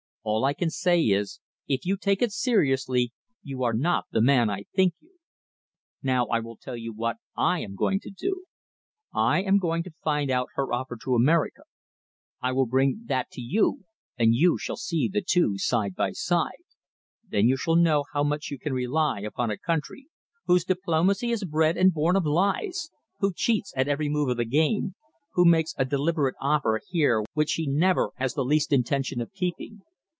All I can say is, if you take it seriously you are not the man I think you. Now I will tell you what I am going to do. I am going to find out her offer to America. I will bring that to you, and you shall see the two side by side. Then you shall know how much you can rely upon a country whose diplomacy is bred and born of lies, who cheats at every move of the game, who makes you a deliberate offer here which she never has the least intention of keeping.